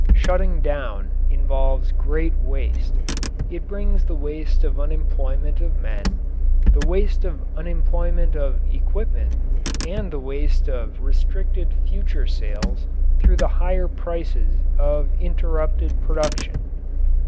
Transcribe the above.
Shutting down involves great waste. It brings the waste of unemployment of men, the waste of unemployment of equipment, and the waste of restricted future sales through the higher prices of interrupted production.